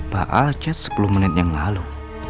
pak al cez sepuluh menit yang lalu